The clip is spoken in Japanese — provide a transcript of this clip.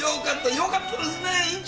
よかったですね院長！